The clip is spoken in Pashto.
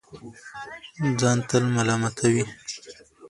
ځان تل ملامتوي